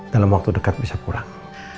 dalam waktu dekat bisa kurang